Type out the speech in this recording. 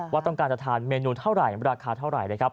ว่าต้องการจะทานเมนูเท่าไรราคาเท่าไร